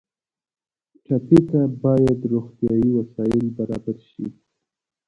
ټپي ته باید روغتیایي وسایل برابر شي.